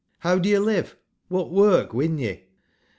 '*T)ow do ye live, wbat work win ye